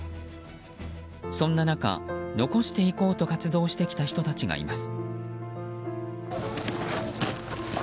そんな中、残していこうと活動してきた人たちがいます。